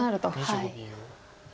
はい。